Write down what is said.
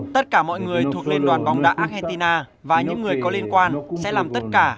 tất cả mọi người thuộc liên đoàn bóng đá argentina và những người có liên quan sẽ làm tất cả